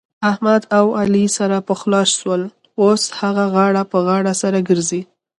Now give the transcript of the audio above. احمد اوعلي سره پخلا سول. اوس ښه غاړه په غاړه سره ګرځي.